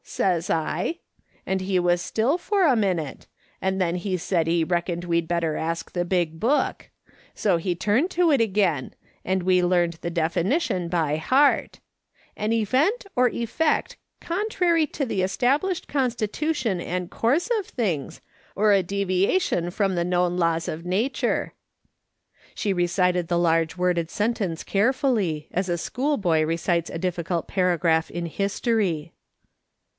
' says I : and he was still for a minute, and then he said he reckoned we'd better ask the big book ; so he turned to it again, and we learned the definition by heart : 'An event or efTect contrary to the established constitution and course of things, or a deviation from the known laws of nature.' " She recited the large worded sentence carefully, as a schoolboy recites a difficult paragraph in history.